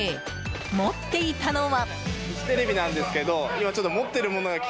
持っていたのは？